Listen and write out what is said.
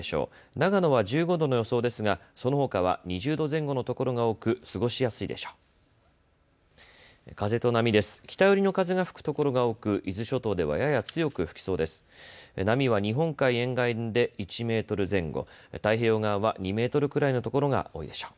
長野は１５度の予想ですがそのほかは２０度前後の所が多く過ごしやすいでしょう。